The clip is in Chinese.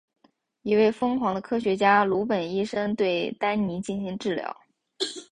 一位疯狂的科学家鲁本医生对丹尼进行治疗。